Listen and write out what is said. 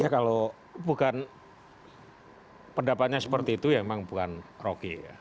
ya kalau bukan pendapatnya seperti itu ya memang bukan rocky ya